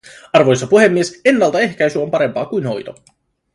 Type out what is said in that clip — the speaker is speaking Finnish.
Arvoisa puhemies, ennaltaehkäisy on parempaa kuin hoito.